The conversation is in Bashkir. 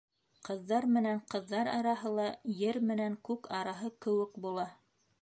Ҡыҙҙар менән ҡыҙҙар араһы ла ер менән күк араһы кеүек була.